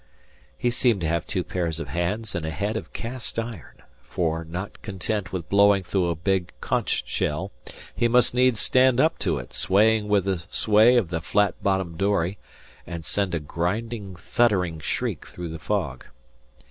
He seemed to have two pairs of hands and a head of cast iron, for, not content with blowing through a big conch shell, he must needs stand up to it, swaying with the sway of the flat bottomed dory, and send a grinding, thuttering shriek through the fog.